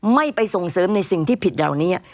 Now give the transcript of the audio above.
ไม่ไปส่งเสริมในสิ่งที่ผิดเหล่านี้